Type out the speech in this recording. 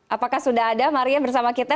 apakah sudah ada maria bersama kita